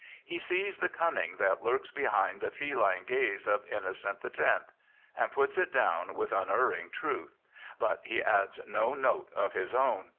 He sees the cunning that lurks behind the fejine gaze of Inno cent X. and puts it down with unerring truth; but he adds no note of his own.